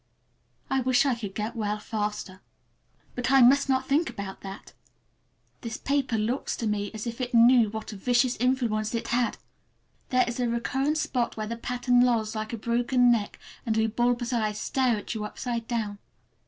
I wish I could get well faster. But I must not think about that. This paper looks to me as if it knew what a vicious influence it had! There is a recurrent spot where the pattern lolls like a broken neck and two bulbous eyes stare at you upside down.